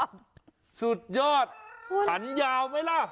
สุดยอดขันยาวไหมล่ะ